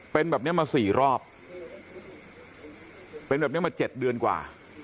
เป็นแบบเนี้ยมาสี่รอบเป็นแบบเนี้ยมาเจ็ดเดือนกว่า